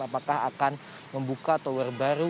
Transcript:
apakah akan membuka tower baru